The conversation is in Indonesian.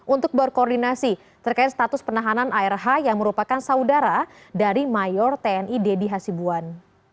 untuk berkoordinasi terkait status penahanan arh yang merupakan saudara dari mayor tni deddy hasibuan